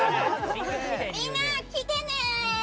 みんな、来てね！